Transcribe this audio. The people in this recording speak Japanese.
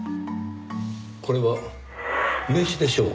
これは名刺でしょうか？